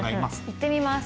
行ってみます。